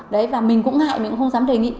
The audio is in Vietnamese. đấy và mình cũng ngại mình cũng không dám đề nghị